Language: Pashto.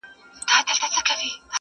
له هر کونجه یې جلا کول غوښتنه!!